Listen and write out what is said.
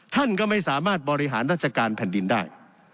ท่านก็ไม่สามารถบริหารราชการแผ่นดินได้